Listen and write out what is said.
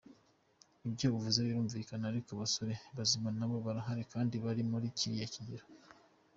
Ibyo uvuze birumvikana ariko abasore bazima nabo barahari kdi bari muri kiriya kigero.